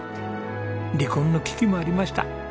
離婚の危機もありました。